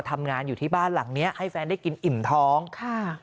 ทำงานอยู่ที่บ้านหลังเนี้ยให้แฟนได้กินอิ่มท้องค่ะ